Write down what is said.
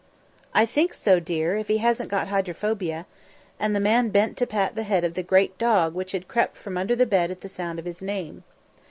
"I think so, dear, if he hasn't hydrophobia," and the man bent to pat the head of the great dog which had crept from under the bed at the sound of his name.